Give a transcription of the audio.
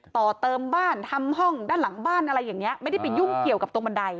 ต่อเติมบ้านทำห้องด้านหลังบ้านอะไรอย่างนี้ไม่ได้ไปยุ่งเกี่ยวกับตรงบันได